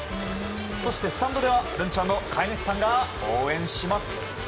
そしてスタンドではるんちゃんの飼い主さんが応援します。